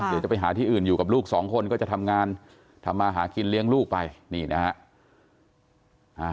เดี๋ยวจะไปหาที่อื่นอยู่กับลูกสองคนก็จะทำงานทำมาหากินเลี้ยงลูกไปนี่นะฮะ